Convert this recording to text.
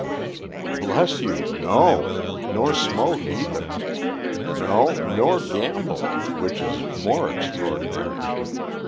"Bless you, no. Nor smoke either. No, nor gamble, which is more extraordinary.